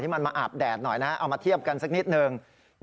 มันมาอาบแดดหน่อยนะเอามาเทียบกันสักนิดนึง